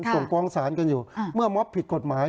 ส่งฟ้องศาลกันอยู่เมื่อม็อบผิดกฎหมาย